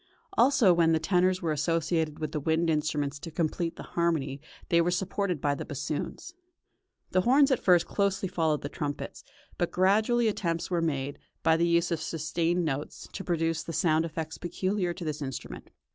Also when the tenors were associated with the wind instruments to complete the harmony they were supported by the bassoons. The horns at first closely followed the trumpets, but gradually attempts were made, by the use of sustained notes, to produce the sound effects peculiar to this instrument.